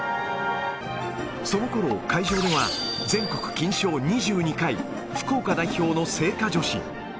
そのころ、会場では全国金賞２２回、福岡代表の精華女子。